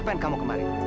pak maman pak maman